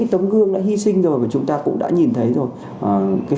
tấm gương đã hy sinh rồi và chúng ta cũng đã nhìn thấy rồi